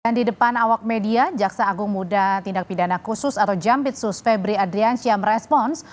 dan di depan awak media jaksa agung muda tindak pidana khusus atau jampitsus febri adrian siam respons